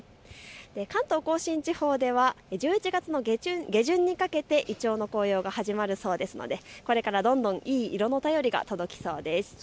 関東甲信地方では１１月の下旬にかけてイチョウの黄葉が始まるそうですので、これからどんどんいい色の便りが届きそうです。